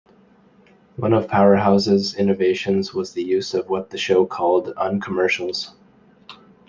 One of "Powerhouse's" innovations was the use of what the show called Uncommercials.